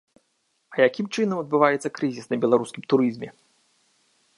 А якім чынам адбіваецца крызіс на беларускім турызме?